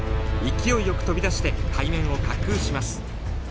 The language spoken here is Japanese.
勢いよく飛び出して海面を滑空します。